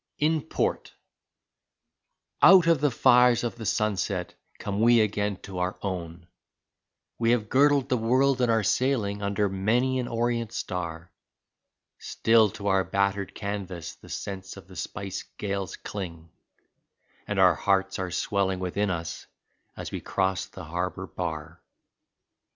26 IN PORT Out of the fires of the sunset come we again to our own — We have girdled the world in our sailing under many an orient star; Still to our battered canvas the scents of the spice gales cling, And our hearts are swelling within us as we cross the harbor bar.